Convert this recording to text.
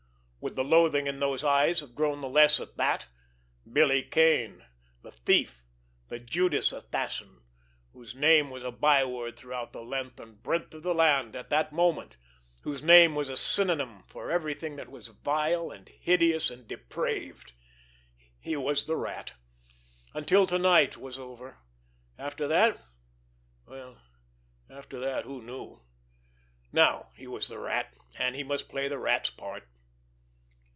Would the loathing in those eyes have grown the less at that? Billy Kane—the thief, the Judas assassin, whose name was a byword throughout the length and breadth of the land at that moment, whose name was a synonym for everything that was vile and hideous and depraved! He was the Rat—until to night was over! After that—well, after that, who knew? Now, he was the Rat, and he must play the Rat's part.